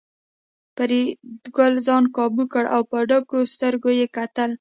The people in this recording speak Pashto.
فریدګل ځان کابو کړ او په ډکو سترګو یې کتل